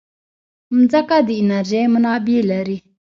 مځکه د انرژۍ منابع لري.